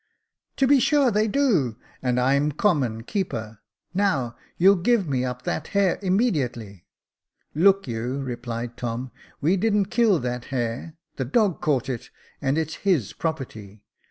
•* To be sure they do — and I'm common keeper. Now you'll give me up that hare immediately." " Look you," replied Tom, " we didn't kill that hare, the dog caught it, and it is his property.